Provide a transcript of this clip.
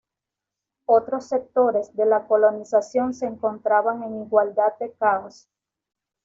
Otros sectores de la colonización se encontraban en igualdad de caos.